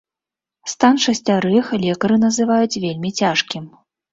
Стан шасцярых лекары называюць вельмі цяжкім.